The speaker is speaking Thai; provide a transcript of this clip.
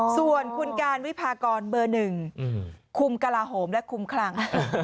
ส่วนคุณการวิพากรเบอร์๑คุมกระลาโหมและคุมคลัง